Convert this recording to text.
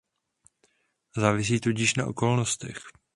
Závisí tudíž na okolnostech.